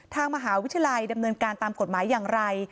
ทางมหาวิทยาลัยดำเนินการตามกฎหมายอย่างไร